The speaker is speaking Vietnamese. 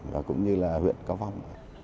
và cũng như là huyện cao vong